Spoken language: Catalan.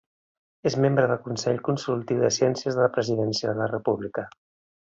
És membre del Consell Consultiu de Ciències de la Presidència de la República.